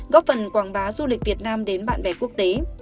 góp phần quảng bá du lịch việt nam đến bạn bè quốc tế